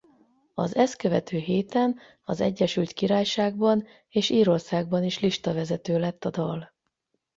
Az ezt követő héten az Egyesült Királyságban és Írországban is listavezető lett a dal.